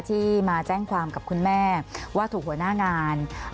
ที่มาแจ้งความกับคุณแม่ว่าถูกหัวหน้างาน